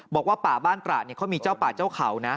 บอกว่าป่าบ้านตระเนี่ยเขามีเจ้าป่าเจ้าเขานะ